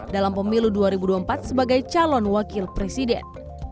dalam pemilu dua ribu dua puluh empat sebagai calon wakil presiden